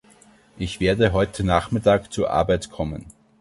Ich werde heute Nachmittag zur Arbeit kommen.